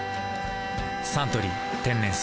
「サントリー天然水」